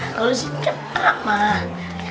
kalau disini cepat mak